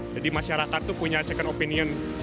jadi masyarakat itu punya second opinion